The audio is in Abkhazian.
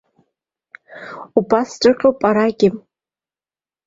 Убасҵәҟьоуп арагь.